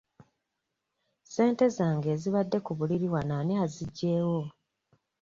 Ssente zange ezibadde ku buliri wano ani aziggyewo?